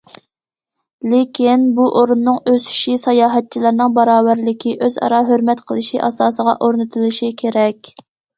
لېكىن بۇ ئورۇننىڭ ئۆسۈشى ساياھەتچىلەرنىڭ باراۋەرلىكى، ئۆزئارا ھۆرمەت قىلىشى ئاساسىغا ئورنىتىلىشى كېرەك.